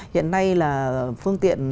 hiện nay là phương tiện